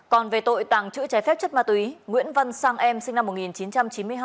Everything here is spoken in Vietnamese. còn về tội tàng trữ trái phép chất ma túy nguyễn văn sang em sinh năm một nghìn chín trăm chín mươi hai